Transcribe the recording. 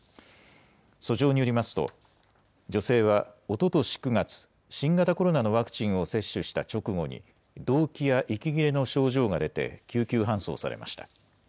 訴状によりますと、女性はおととし９月、新型コロナのワクチンを接種した直後に、どうきや息切れの症状が出て、救急搬送されました。